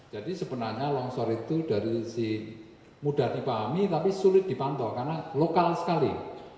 jadi sebenarnya longsor itu dari mudah dipahami tapi sulit dipantau karena lokal sekali